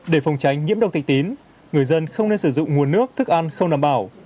để phòng tránh nhiễm độc thị tín người dân không nên sử dụng nguồn nước thức ăn không đảm bảo